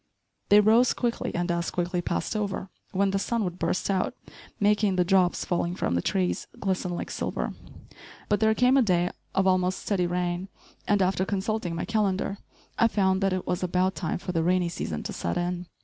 They rose quickly and as quickly passed over, when the sun would burst out, making the drops falling from the trees glisten like silver. But there came a day of almost steady rain, and, after consulting my calendar, I found that it was about time for the rainy season to set in.